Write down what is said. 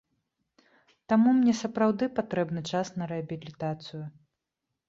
Таму мне сапраўды патрэбны час на рэабілітацыю.